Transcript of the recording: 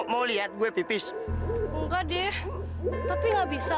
mau lihat gue pipis enggak deh tapi gak bisa